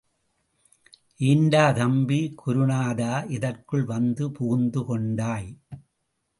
ஏண்டா தம்பி குருநாதா, இதற்குள் வந்து புகுந்து கொண்டாய்?